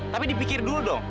tapi dipikir dulu dong